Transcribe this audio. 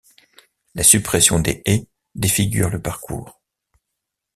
La suppression des haies défigure le parcours.